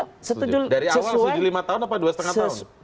dari awal setuju lima tahun apa dua lima tahun